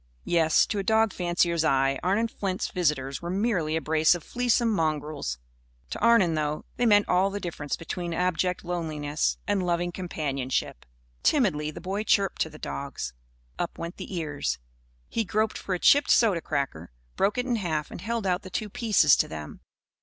Yes, to a dog fancier's eye, Arnon Flint's visitors were merely a brace of fleasome mongrels. To Arnon, though, they meant all the difference between abject loneliness and loving companionship. Timidly the boy chirped to the dogs. Up went their ears. He groped for a chipped soda cracker, broke it in half and held out the two pieces to them.